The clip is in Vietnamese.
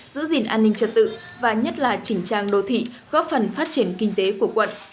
giữ gìn an ninh trật tự và nhất là chỉnh trang đô thị góp phần phát triển kinh tế của quận